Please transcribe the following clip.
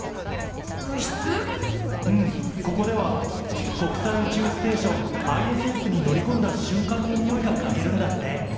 うんここでは国際宇宙ステーションＩＳＳに乗りこんだしゅんかんのにおいがかげるんだって。